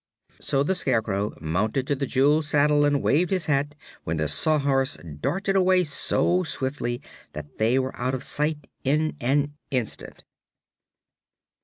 So the Scarecrow mounted to the jeweled saddle and waved his hat, when the Sawhorse darted away so swiftly that they were out of sight in an instant.